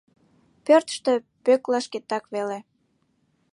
Пӧртыштӧ Пӧкла шкетак веле.